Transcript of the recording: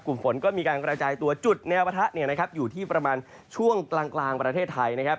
กลุ่มฝนก็มีการกระจายตัวจุดแนวประทะอยู่ที่ประมาณช่วงกลางประเทศไทยนะครับ